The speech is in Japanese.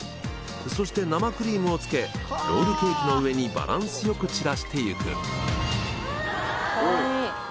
そして生クリームをつけロールケーキの上にバランスよく散らして行く。